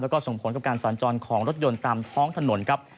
แล้วก็ส่งผลกับการสัญจรของรถยนต์ตามท้องถนนครับ